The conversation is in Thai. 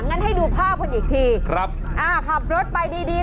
งั้นให้ดูภาพกันอีกทีอ่ะขับรถไปดี